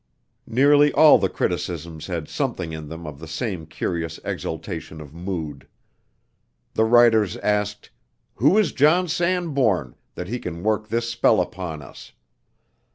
Nearly all the criticisms had something in them of the same curious exaltation of mood. The writers asked: "Who is John Sanbourne, that he can work this spell upon us?"